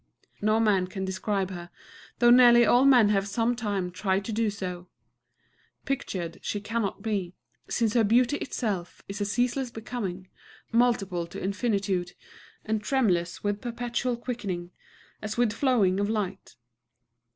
No man can describe her, though nearly all men have some time tried to do so. Pictured she cannot be, since her beauty itself is a ceaseless becoming, multiple to infinitude, and tremulous with perpetual quickening, as with flowing of light.